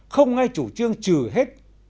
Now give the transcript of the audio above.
không ai chủ trương trừ hết